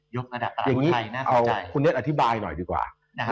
ยกระดับตราบุญไทยน่าสนใจ